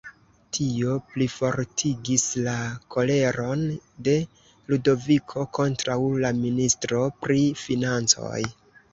Tio plifortigis la koleron de Ludoviko kontraŭ la ministro pri financoj.